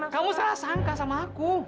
kamu salah sangka sama aku